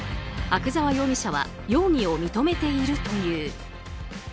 阿久沢容疑者は容疑を認めているという。